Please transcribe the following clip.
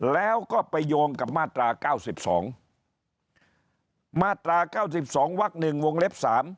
แล้วก็ไปโยงกับมาตรา๙๒มาตรา๙๒วัก๑วงเล็บ๓